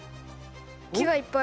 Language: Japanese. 木がいっぱい。